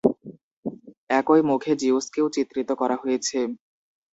একই মুখে জিউসকেও চিত্রিত করা হয়েছে।